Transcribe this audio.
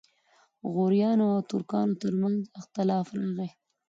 غوریانو او ترکانو ترمنځ اختلاف راغی.